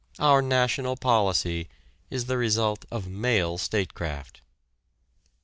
Our national policy is the result of male statecraft.